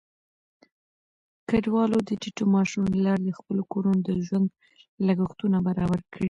کډوال د ټيټو معاشونو له لارې د خپلو کورونو د ژوند لګښتونه برابر کړي.